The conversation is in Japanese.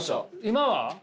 今は？